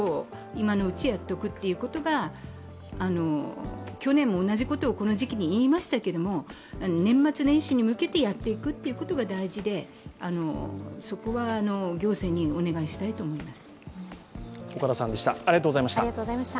今のうちやっておくことが去年も同じことをこの時期に言いましたけれども、年末念に向けてやっていくことが大事でそこは行政にお願いしたいと思います。